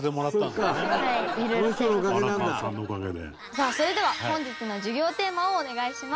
さあそれでは本日の授業テーマをお願いします。